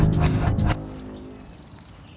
tidak ada apa apa